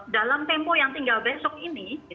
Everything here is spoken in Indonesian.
dalam tempo yang tinggal besok ini